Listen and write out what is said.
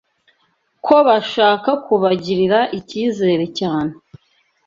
ko bashaka kubagirira icyizere cyane